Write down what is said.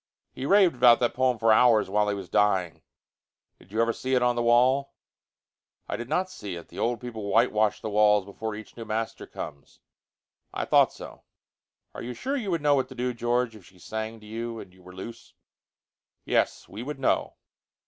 He raved about that poem for hours while he was dying. Did you ever see it on the wall?" "I did not see it. The old people whitewash the walls before each new master comes." "I thought so." "Are you sure you would know what to do, George, if she sang to you and you were loose?" "Yes, we would know."